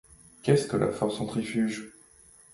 Qu'est ce que la force centrifuge ?